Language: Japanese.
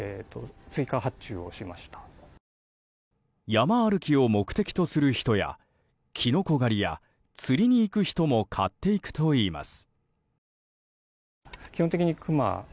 山歩きを目的とする人やキノコ狩りや釣りに行く人も買っていくといいます。